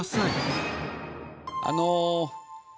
あの。